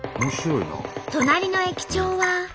隣の駅長は。